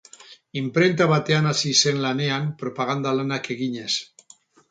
Inprenta batean hasi zen lanean propaganda lanak eginez.